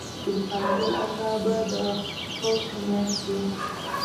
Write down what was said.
سلطان ګل اکا به د قوس په میاشت کې.